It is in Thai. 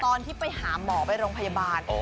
ตอนที่ไปหาหมอไปโรงพยาบาล